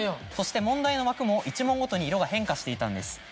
そして問題の枠も１問ごとに色が変化していたんです。